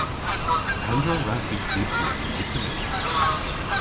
Pandr'a wrav vy dybri yn Itali?